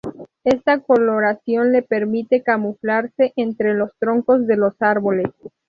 Esta coloración le permite camuflarse entre los troncos de los árboles.